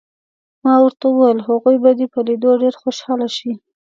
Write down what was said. ما ورته وویل: هغوی به دې په لیدو ډېر خوشحاله شي.